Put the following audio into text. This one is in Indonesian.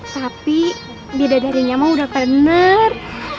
tapi bidadarinya mah udah bener